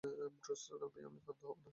ব্রোচটা না পেয়ে আমি ক্ষান্ত হব না!